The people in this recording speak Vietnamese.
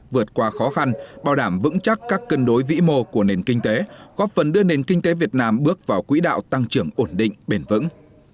vượt qua khó khăn bảo đảm vững chắc các cân đối vĩ mô của nền kinh tế góp phần đưa nền kinh tế việt nam bước vào quỹ đạo tăng trưởng ổn định bền vững